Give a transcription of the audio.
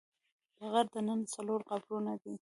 د غار دننه څلور قبرونه دي.